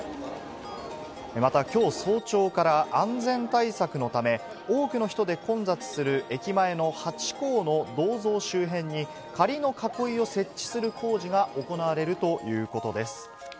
また、きょう早朝から安全対策のため、多くの人で混雑する駅前のハチ公の銅像周辺に、仮の囲いを設置する工事が行われるということです。